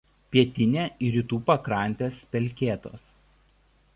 Pietinė ir rytų pakrantės pelkėtos.